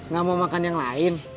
gak mau makan yang lain